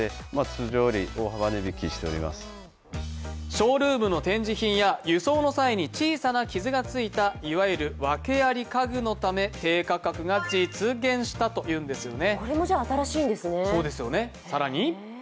ショールームの展示品や輸送の際に小さな傷がついたいわゆるワケあり家具のため低価格が実現したというんですね。